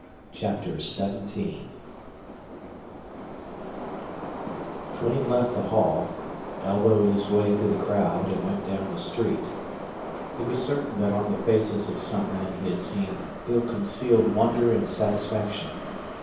CHAPTER XVII Duane left the hall, elbowed his way through the crowd, and went down the street. He was certain that on the faces of some men he had seen ill concealed wonder and satisfaction.